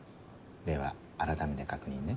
ではあらためて確認ね。